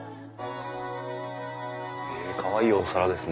へえかわいいお皿ですね。